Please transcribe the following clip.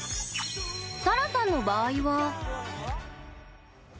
さらさんの場合は。